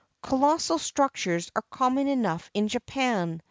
"Colossal structures are common enough in Japan.